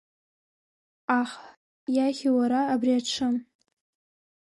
Ҟаҳ, иахьи уара, абри аҽы.